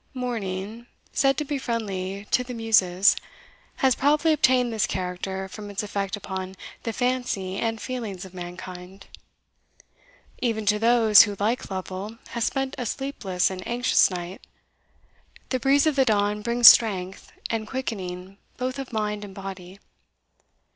Morning, said to be friendly to the muses, has probably obtained this character from its effect upon the fancy and feelings of mankind. Even to those who, like Lovel, have spent a sleepless and anxious night, the breeze of the dawn brings strength and quickening both of mind and body.